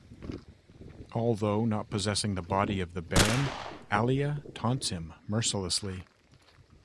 Although not possessing the body of the Baron, Alia taunts him mercilessly.